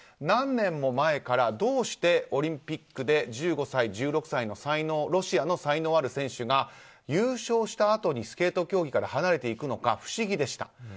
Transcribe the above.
何年も前からどうしてオリンピックで１５歳、１６歳のロシアの才能ある選手が優勝したあとにスケート競技から離れていくのか不思議でした。